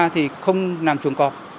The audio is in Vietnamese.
thì không nằm chuồng cọp